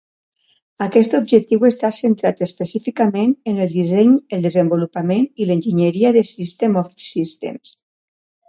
Aquest objectiu està centrat específicament en "el disseny, el desenvolupament i l'enginyeria de System-of-Systems".